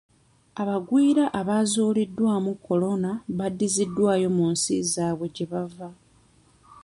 Abagwira abaazuuliddwamu kolona baddiziddwayo mu nsi zaabwe gye bava.